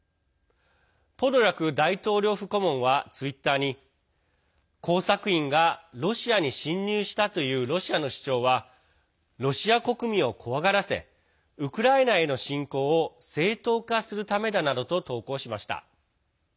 ポドリャク大統領府顧問はツイッターに工作員がロシアに侵入したというロシアの主張はロシア国民を怖がらせウクライナへの侵攻を正当化するためだなどと投稿しました。